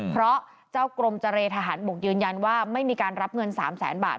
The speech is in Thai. เพราะเจ้ากรมเจรทหารบกยืนยันว่าไม่มีการรับเงิน๓แสนบาท